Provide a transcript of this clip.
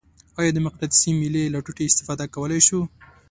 آیا د مقناطیسي میلې له ټوټې استفاده کولی شو؟